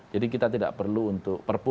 jadi kita tidak perlu untuk perpu